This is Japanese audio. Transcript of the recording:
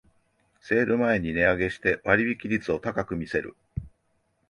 セール前に値上げして割引率を高く見せる